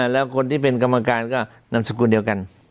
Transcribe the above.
แล้วคนที่เป็นกรรมการก็นำสกุลเดียวกัน